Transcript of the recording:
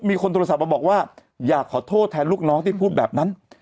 มีคนโทรศัพท์มาบอกว่าอยากขอโทษแทนลูกน้องที่พูดแบบนั้น